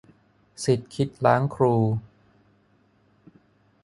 ศิษย์คิดล้างครู